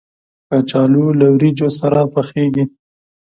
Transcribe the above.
کچالو له وریجو سره پخېږي